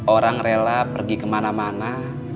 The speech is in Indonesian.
orang rela pergi kemana mana